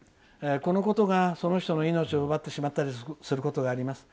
このことがその人の命を奪ってしまったりすることがあります。